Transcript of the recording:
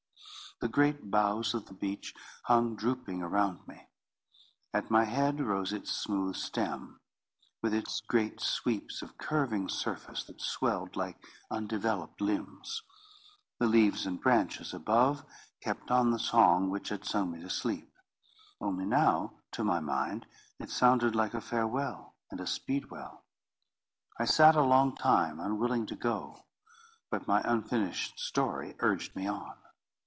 The great boughs of the beech hung drooping around me. At my head rose its smooth stem, with its great sweeps of curving surface that swelled like undeveloped limbs. The leaves and branches above kept on the song which had sung me asleep; only now, to my mind, it sounded like a farewell and a speedwell. I sat a long time, unwilling to go; but my unfinished story urged me on.